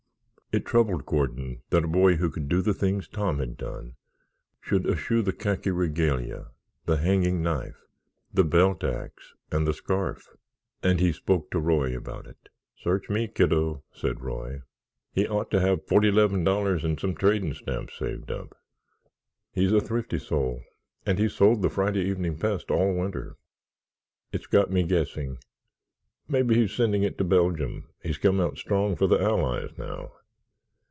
It troubled Gordon that a boy who could do the things Tom had done should eschew the khaki regalia, the hanging jack knife, the belt axe and the scarf, and he spoke to Roy about it. "Search me, kiddo," said Roy. "He ought to have forty 'leven dollars and some trading stamps saved up. He's a thrifty soul and he sold the Friday Evening Pest all winter. It's got me guessing. Maybe he's sending it to Belgium—he's come out strong for the Allies now.